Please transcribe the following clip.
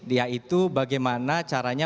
yaitu bagaimana caranya